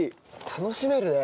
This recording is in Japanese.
楽しめるね。